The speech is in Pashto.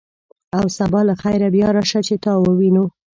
او سبا له خیره بیا راشه، چې تا ووینو.